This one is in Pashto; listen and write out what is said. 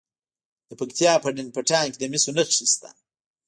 د پکتیا په ډنډ پټان کې د مسو نښې شته.